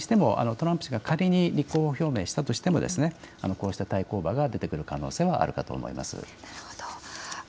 ただいずれにしてもトランプ氏が仮に立候補を表明したとしてもこうした対抗馬が出てくる可能性はあるかと思います。